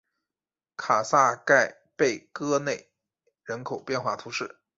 卡萨盖贝戈内人口变化图示